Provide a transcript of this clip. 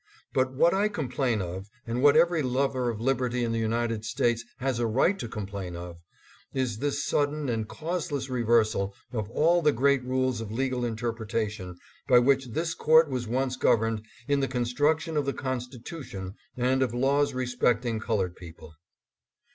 But what I complain of, and what every lover of liberty in the United States has a right to complain of, is this sudden and causeless reversal of all the great rules of legal interpretation by which this court was once gov erned in the construction of the Constitution and of laws respecting colored people.